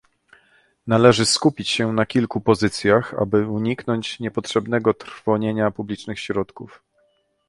Należy skupić się na kilku pozycjach, aby uniknąć niepotrzebnego trwonienia publicznych środków